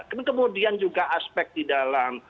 kemudian juga aspek di dalam